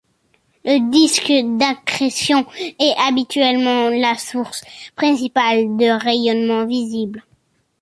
Le disque d'accrétion est habituellement la source principale de rayonnement visible.